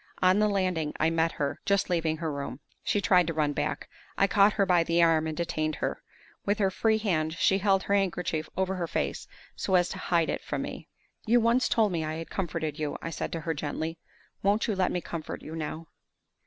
On the landing I met her, just leaving her room. She tried to run back. I caught her by the arm, and detained her. With her free hand she held her handkerchief over her face so as to hide it from me. "You once told me I had comforted you," I said to her, gently. "Won't you let me comfort you now?"